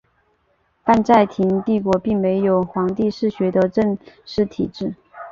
拜占庭帝国并没有皇帝世袭的正式体制。